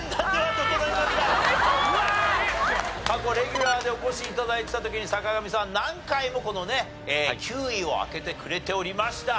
過去レギュラーでお越し頂いてた時に坂上さん何回もこのね９位を開けてくれておりました。